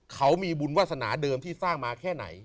เขามีบุญวาสนาเดิมที่สร้างมาแค่ไหน